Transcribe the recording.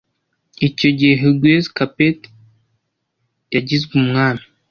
icyo gihe Hugues Capet yagizwe umwami